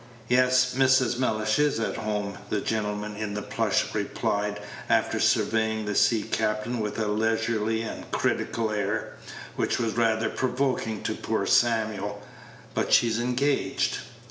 "Yes, Mrs. Mellish is at home," the gentleman in plush replied, after surveying the sea captain with a leisurely and critical air, which was rather provoking to poor Samuel, "but she's engaged."